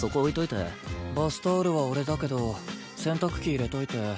バスタオルは俺だけど洗濯機入れといてー。